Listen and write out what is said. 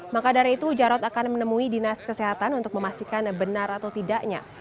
maka dari itu jarod akan menemui dinas kesehatan untuk memastikan benar atau tidaknya